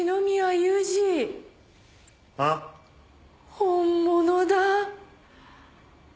本物だ。